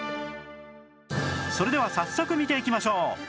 それでは早速見ていきましょう